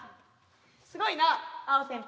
すごいなアオ先輩。